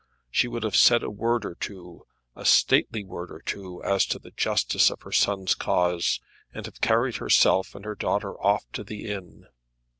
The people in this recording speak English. She would have said a word or two, a stately word or two, as to the justice of her son's cause, and have carried herself and her daughter off to the inn.